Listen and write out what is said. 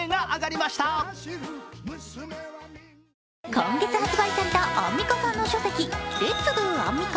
今月発売されたアンミカさんの書籍、「Ｌｅｔ’ｓＤｏアンミカ！